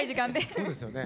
そうですよね。